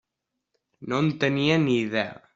No en tenia ni idea.